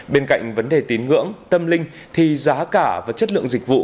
bên cạnh vấn đề tín ngưỡng tâm linh thì giá cả và chất lượng dịch vụ